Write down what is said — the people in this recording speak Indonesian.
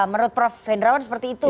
menurut prof hendrawan seperti itu